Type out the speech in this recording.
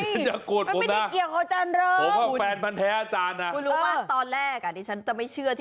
พูดบ่อยจนให้ฉันคิดว่าคุณ